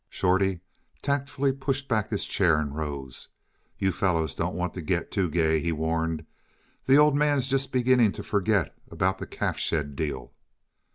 Shorty tactfully pushed back his chair and rose. "You fellows don't want to git too gay," he warned. "The Old Man's just beginning to forget about the calf shed deal."